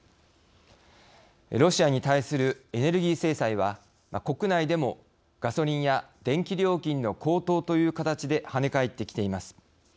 ロシアに対するエネルギー制裁は国内でも、ガソリンや電気料金の高騰という形ではね返ってきています。